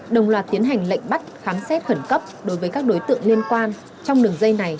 đồng loạt tiến hành lệnh bắt khám xét khẩn cấp đối với các đối tượng liên quan trong đường dây này